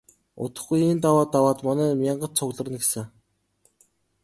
Удахгүй энэ даваа даваад манай мянгат цугларна гэсэн.